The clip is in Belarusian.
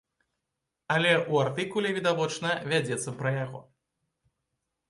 Але ў артыкуле відавочна вядзецца пра яго.